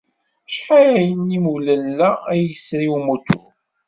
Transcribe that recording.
Acḥal n yiwlella ay yesri umutur?